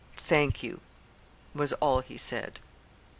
"Thank you," was all he said.